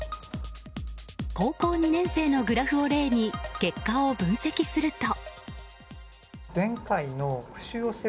高校２年生のグラフを例に結果を分析すると。